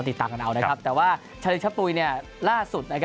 ติดตามกันเอานะครับแต่ว่าชาลินชะปุ๋ยล่าสุด